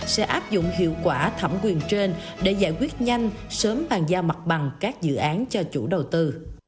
sẽ áp dụng hiệu quả thẩm quyền trên để giải quyết nhanh sớm bàn giao mặt bằng các dự án cho chủ đầu tư